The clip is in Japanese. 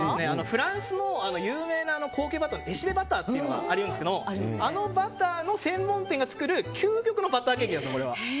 フランスの有名な高級バターのエシレバターというのがあるんですがあのバターの専門店が作る究極のバターケーキなんです。